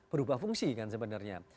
berubah fungsi kan sebenarnya